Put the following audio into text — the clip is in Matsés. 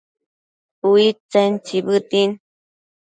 Uidtsen tsibëtin